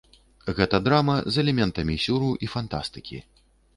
Гэта драма з элементамі сюру і фантастыкі.